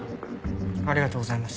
ありがとうございます。